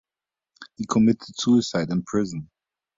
He committed suicide in prison.